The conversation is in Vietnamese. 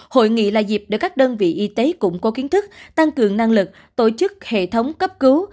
hội nghị là dịp để các đơn vị y tế củng cố kiến thức tăng cường năng lực tổ chức hệ thống cấp cứu